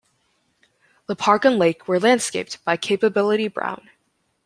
The park and lake were landscaped by Capability Brown.